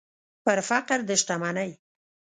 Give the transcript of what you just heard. پر فقر د شتمنۍ